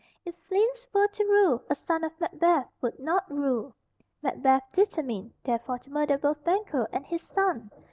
If Fleance were to rule, a son of Macbeth would not rule. Macbeth determined, therefore, to murder both Banquo and his son.